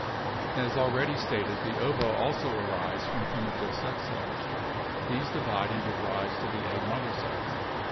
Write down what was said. As already stated, the ova also arise from primitive sex cells. These divide and give rise to the egg mother cells.